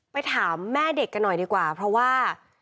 ถามแม่เด็กกันหน่อยดีกว่าเพราะว่า